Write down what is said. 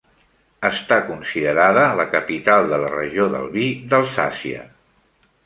Està considerada la capital de la regió del vi d'Alsàcia.